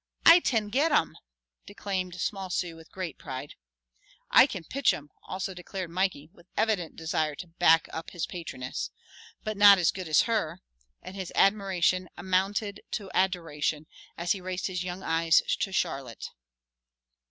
"I tan git 'em," declaimed small Sue with great pride. "I can pitch 'em," also declared Mikey, with evident desire to back up his patroness. "But not as good as her," and his admiration amounted to adoration, as he raised his young eyes to Charlotte.